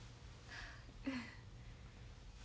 うん。